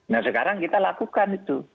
nah sekarang kita lakukan itu